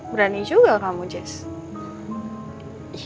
berani juga kamu jess